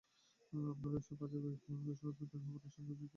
আপনারা ঐসব আযাবের কিয়দংশ অবতীর্ণ হওয়ার আশংকায় ভীত-সন্ত্রস্ত হয়ে পড়েছেন।